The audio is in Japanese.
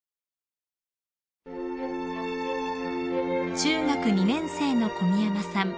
［中学２年生の小宮山さん］